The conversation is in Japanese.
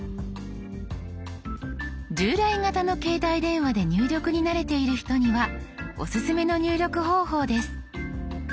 従来型の携帯電話で入力に慣れている人にはオススメの入力方法です。